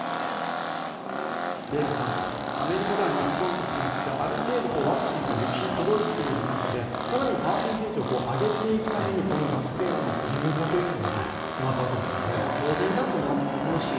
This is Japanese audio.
デーブさん、アメリカでは日本と違ってある程度ワクチンが行き届いている中で更にパーセンテージを上げていくためにこの学生らの義務化というのが決まったわけですよね。